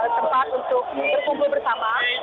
tempat untuk berkumpul bersama